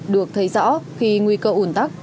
được thấy rõ khi nguy cơ ủn tắc